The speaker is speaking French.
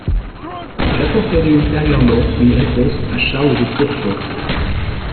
J’apporterai ultérieurement une réponse à Charles de Courson.